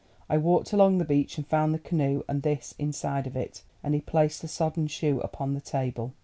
I walked along the beach and found the canoe and this inside of it," and he placed the sodden shoe upon the table.